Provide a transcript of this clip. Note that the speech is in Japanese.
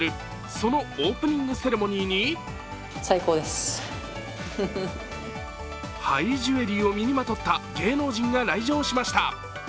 そのオープニングセレモニーにハイジュエリーを身にまとった芸能人が来場しました。